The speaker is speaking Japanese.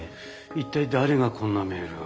一体誰がこんなメールを。